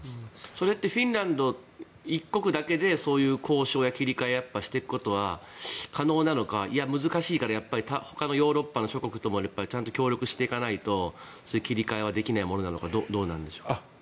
それってフィンランド一国だけでそういう交渉や切り替えをしていくことは可能なのかいや、難しいからほかのヨーロッパの諸国ともちゃんと協力していかないと切り替えはできないものなのかどうなんでしょう。